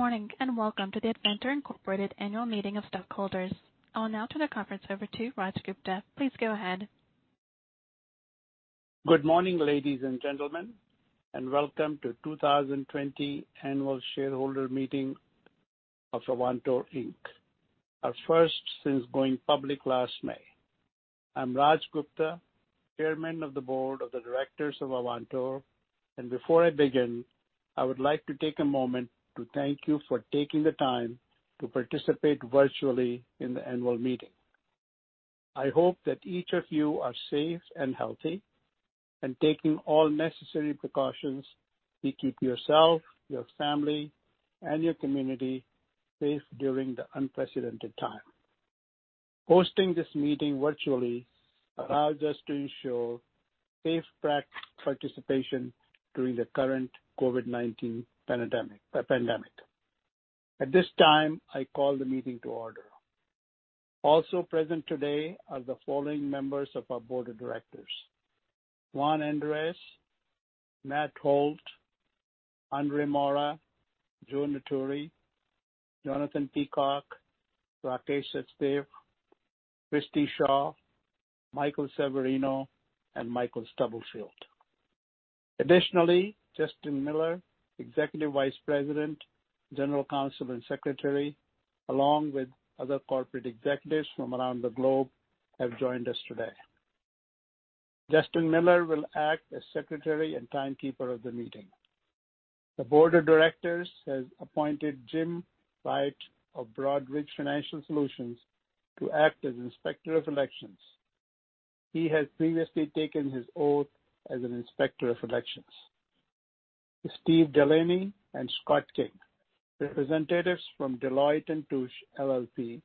Morning. Welcome to the Avantor, Inc Annual Meeting of Stockholders. I'll now turn the conference over to Raj Gupta. Please go ahead. Good morning, ladies and gentlemen, and welcome to 2020 Annual Shareholder Meeting of Avantor Inc, our first since going public last May. I'm Raj Gupta, chairman of the Board of Directors of Avantor, before I begin, I would like to take a moment to thank you for taking the time to participate virtually in the annual meeting. I hope that each of you are safe and healthy and taking all necessary precautions to keep yourself, your family, and your community safe during the unprecedented time. Hosting this meeting virtually allows us to ensure safe participation during the current COVID-19 pandemic. At this time, I call the meeting to order. Also present today are the following members of our Board of Directors: Juan Andres, Matthew Holt, Andre Moura, Jo Natauri, Jonathan Peacock, Rakesh Sachdev, Christi Shaw, Michael Severino, and Michael Stubblefield. Additionally, Justin Miller, Executive Vice President, General Counsel, and Secretary, along with other corporate executives from around the globe, have joined us today. Justin Miller will act as secretary and timekeeper of the meeting. The Board of Directors has appointed Jim Wright of Broadridge Financial Solutions to act as Inspector of Elections. He has previously taken his oath as an Inspector of Elections. Steve Delaney and Scott King, representatives from Deloitte & Touche LLP,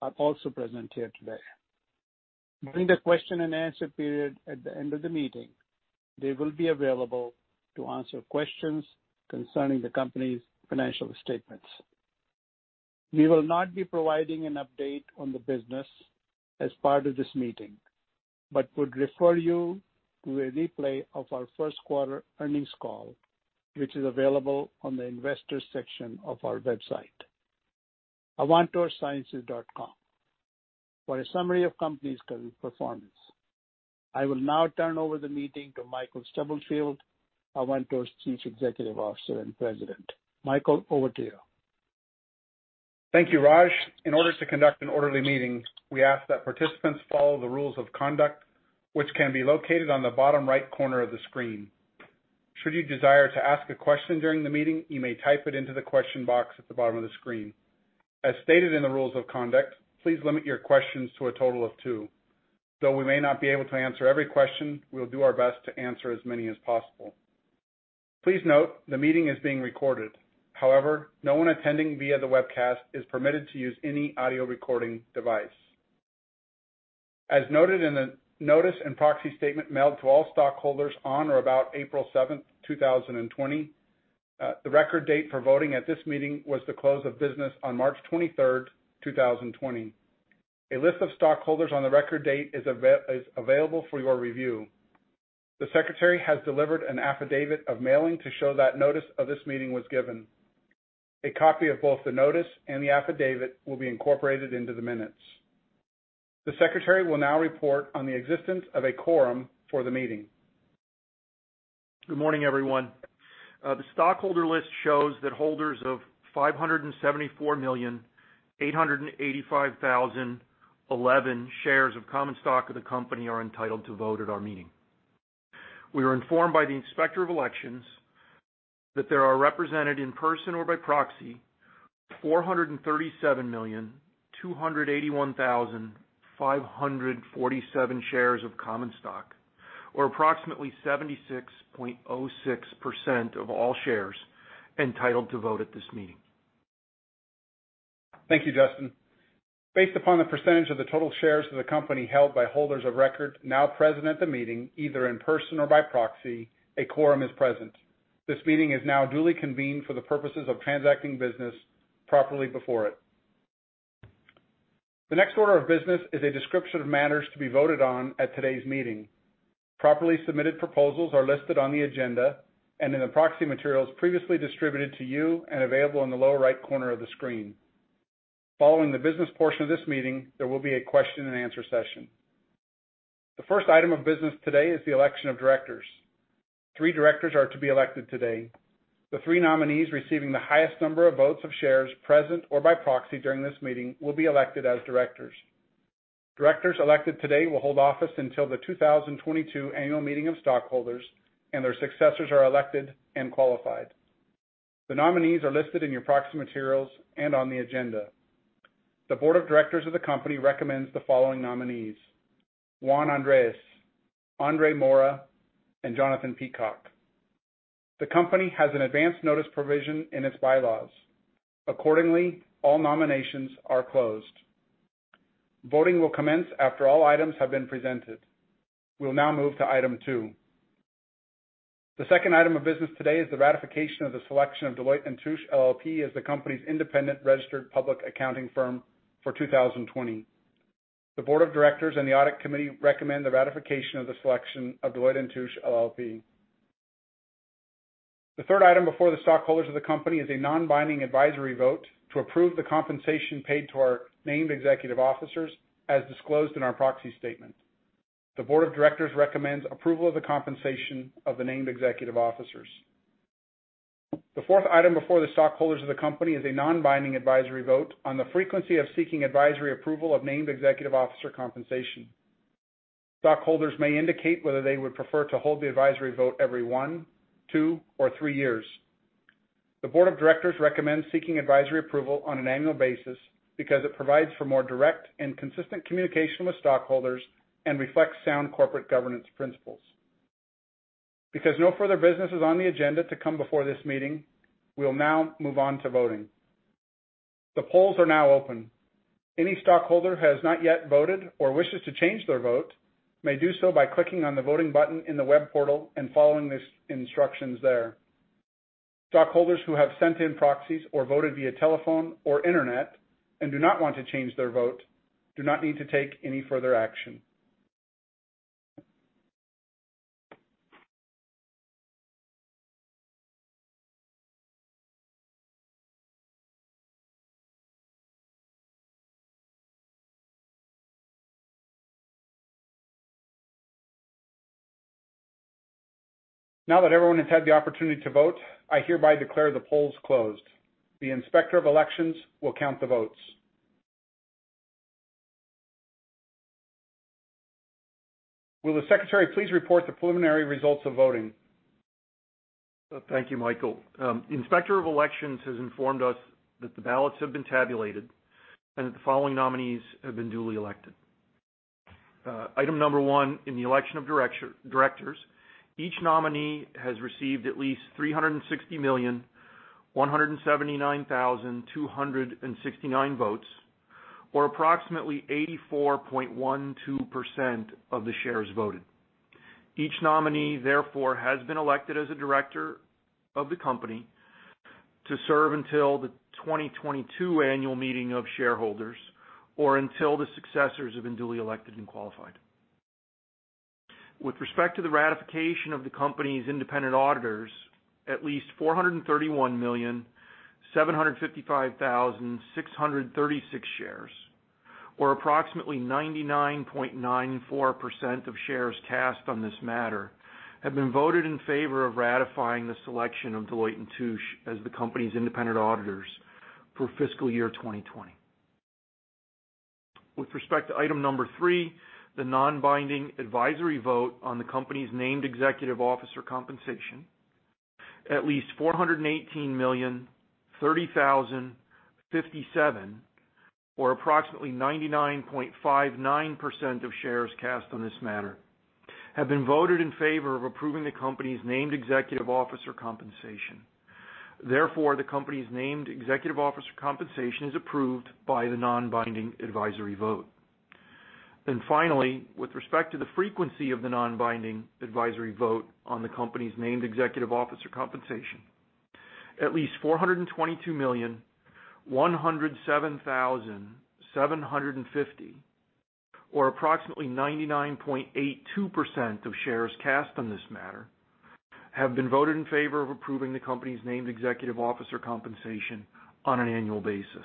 are also present here today. During the question and answer period at the end of the meeting, they will be available to answer questions concerning the company's financial statements. We will not be providing an update on the business as part of this meeting, but would refer you to a replay of our first quarter earnings call, which is available on the investors section of our website, avantorsciences.com, for a summary of company's current performance. I will now turn over the meeting to Michael Stubblefield, Avantor's Chief Executive Officer and President. Michael, over to you. Thank you, Raj. In order to conduct an orderly meeting, we ask that participants follow the rules of conduct, which can be located on the bottom right corner of the screen. Should you desire to ask a question during the meeting, you may type it into the question box at the bottom of the screen. As stated in the rules of conduct, please limit your questions to a total of two. We may not be able to answer every question, we'll do our best to answer as many as possible. Please note, the meeting is being recorded. No one attending via the webcast is permitted to use any audio recording device. As noted in the notice and proxy statement mailed to all stockholders on or about April 7th, 2020, the record date for voting at this meeting was the close of business on March 23rd, 2020. A list of stockholders on the record date is available for your review. The secretary has delivered an affidavit of mailing to show that notice of this meeting was given. A copy of both the notice and the affidavit will be incorporated into the minutes. The secretary will now report on the existence of a quorum for the meeting. Good morning, everyone. The stockholder list shows that holders of 574,885,011 shares of common stock of the company are entitled to vote at our meeting. We are informed by the Inspector of Elections that there are represented in person or by proxy 437,281,547 shares of common stock, or approximately 76.06% of all shares entitled to vote at this meeting. Thank you, Justin. Based upon the percentage of the total shares of the company held by holders of record now present at the meeting, either in person or by proxy, a quorum is present. This meeting is now duly convened for the purposes of transacting business properly before it. The next order of business is a description of matters to be voted on at today's meeting. Properly submitted proposals are listed on the agenda and in the proxy materials previously distributed to you and available in the lower right corner of the screen. Following the business portion of this meeting, there will be a question and answer session. The first item of business today is the election of directors. Three directors are to be elected today. The three nominees receiving the highest number of votes of shares present or by proxy during this meeting will be elected as directors. Directors elected today will hold office until the 2022 Annual Meeting of Stockholders and their successors are elected and qualified. The nominees are listed in your proxy materials and on the agenda. The board of directors of the company recommends the following nominees: Juan Andres, Andre Moura, and Jonathan Peacock. The company has an advance notice provision in its bylaws. Accordingly, all nominations are closed. Voting will commence after all items have been presented. We'll now move to item two. The second item of business today is the ratification of the selection of Deloitte & Touche LLP as the company's independent registered public accounting firm for 2020. The board of directors and the audit committee recommend the ratification of the selection of Deloitte & Touche LLP. The third item before the stockholders of the company is a non-binding advisory vote to approve the compensation paid to our named executive officers, as disclosed in our proxy statement. The board of directors recommends approval of the compensation of the named executive officers. The fourth item before the stockholders of the company is a non-binding advisory vote on the frequency of seeking advisory approval of named executive officer compensation. Stockholders may indicate whether they would prefer to hold the advisory vote every one, two, or three years. The board of directors recommends seeking advisory approval on an annual basis because it provides for more direct and consistent communication with stockholders and reflects sound corporate governance principles. No further business is on the agenda to come before this meeting, we'll now move on to voting. The polls are now open. Any stockholder who has not yet voted or wishes to change their vote may do so by clicking on the voting button in the web portal and following the instructions there. Stockholders who have sent in proxies or voted via telephone or internet and do not want to change their vote do not need to take any further action. Now that everyone has had the opportunity to vote, I hereby declare the polls closed. The Inspector of Elections will count the votes. Will the Secretary please report the preliminary results of voting? Thank you, Michael. Inspector of Elections has informed us that the ballots have been tabulated and that the following nominees have been duly elected. Item number 1 in the election of directors, each nominee has received at least 360,179,269 votes, or approximately 84.12% of the shares voted. Each nominee, therefore, has been elected as a director of the company to serve until the 2022 annual meeting of shareholders or until the successors have been duly elected and qualified. With respect to the ratification of the company's independent auditors, at least 431,755,636 shares, or approximately 99.94% of shares cast on this matter, have been voted in favor of ratifying the selection of Deloitte & Touche as the company's independent auditors for fiscal year 2020. With respect to item number three, the non-binding advisory vote on the company's named executive officer compensation, at least 418,030,057, or approximately 99.59% of shares cast on this matter, have been voted in favor of approving the company's named executive officer compensation. Therefore, the company's named executive officer compensation is approved by the non-binding advisory vote. Finally, with respect to the frequency of the non-binding advisory vote on the company's named executive officer compensation, at least 422,107,750, or approximately 99.82% of shares cast on this matter, have been voted in favor of approving the company's named executive officer compensation on an annual basis.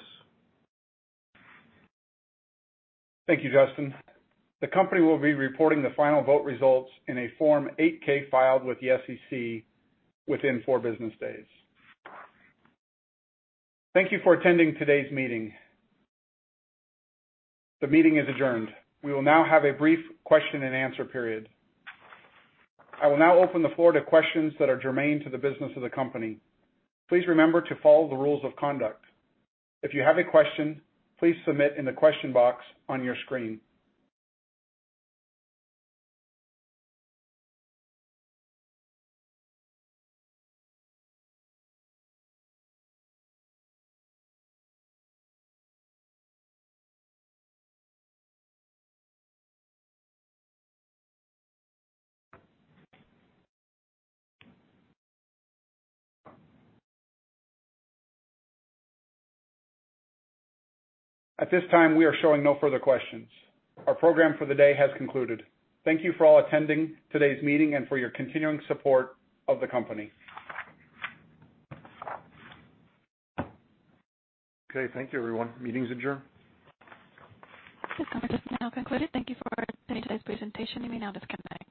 Thank you, Justin. The company will be reporting the final vote results in a Form 8-K filed with the SEC within four business days. Thank you for attending today's meeting. The meeting is adjourned. We will now have a brief question and answer period. I will now open the floor to questions that are germane to the business of the company. Please remember to follow the rules of conduct. If you have a question, please submit in the question box on your screen. At this time, we are showing no further questions. Our program for the day has concluded. Thank you for all attending today's meeting and for your continuing support of the company. Okay. Thank you, everyone. Meeting's adjourned. This conference is now concluded. Thank you for attending today's presentation. You may now disconnect.